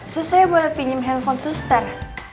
susahnya boleh pinjem handphone suster